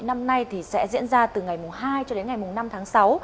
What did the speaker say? năm nay sẽ diễn ra từ ngày mùng hai cho đến ngày mùng năm tháng sáu